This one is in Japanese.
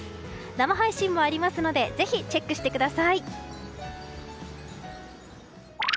生配信もありますのでぜひ、チェックしてください。